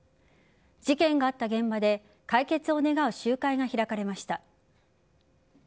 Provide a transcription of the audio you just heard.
事件があった現場で解決を願う集会が開かれました。